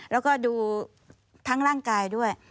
แล้วก็ดูทั้งร่างกายด้วย